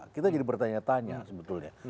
kita jadi bertanya tanya sebetulnya